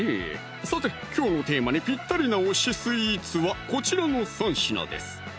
さてきょうのテーマにぴったりな推しスイーツはこちらの３品です